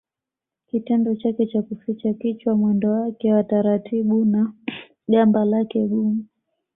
Kitendo chake cha kuficha kichwa mwendo wake wa taratibu na gamba lake gumu